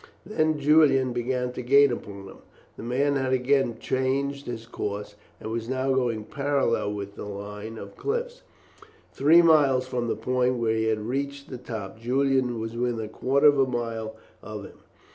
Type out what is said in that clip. Then Julian began to gain upon him. The man had again changed his course, and was now going parallel with the line of cliffs. Three miles from the point where he had reached the top Julian was within a quarter of a mile of him.